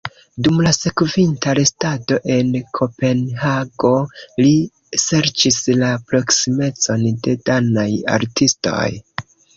Dum la sekvinta restado en Kopenhago li serĉis la proksimecon de danaj artistoj.